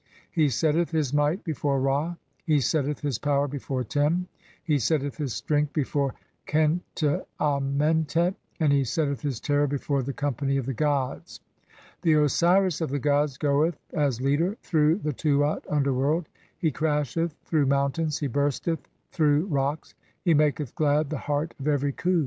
He setteth his might before Ra, he setteth his power before Tem, [he setteth his strength] before Khenti Amentet, and he setteth his terror before the company of the gods. The Osiris of the gods goeth as leader through the Tuat (underworld), he crasheth through mountains, he bursteth through rocks, he maketh glad (?) the heart of every Khu.